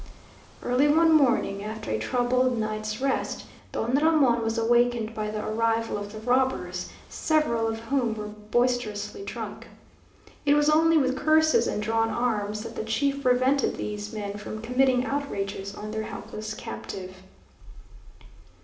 Early one morning after a troubled night's rest, Don Ramon was awakened by the arrival of the robbers, several of whom were boisterously drunk. It was only with curses and drawn arms that the chief prevented these men from committing outrages on their helpless captive.